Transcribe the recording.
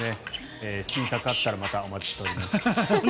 新作あったらまたお待ちしております。